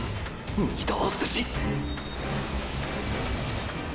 御堂筋！！